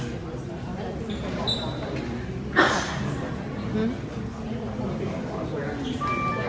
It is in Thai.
ก็คือเป็นแชทที่ว่ามีผู้หญิงสมหัสแฟนสมหัส